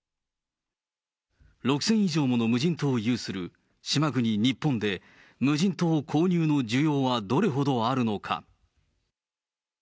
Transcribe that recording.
６０００以上もの無人島を有する島国、日本で無人島購入の需要はどれほどあるのか。